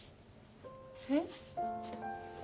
えっ？